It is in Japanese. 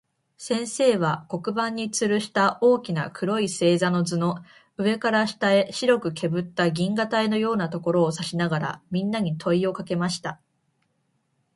先生は、黒板に吊つるした大きな黒い星座の図の、上から下へ白くけぶった銀河帯のようなところを指さしながら、みんなに問といをかけました。